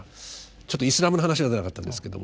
ちょっとイスラムの話が出なかったんですけども。